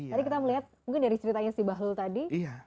tadi kita melihat mungkin dari ceritanya si bahlul tadi